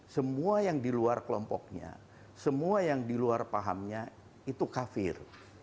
semua yang di luar kelompoknya semua yang di luar pahamnya itu kafir